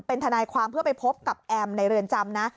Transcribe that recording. เป็นทนายความเพื่อไปพบกับแอมในเรือนจำนะ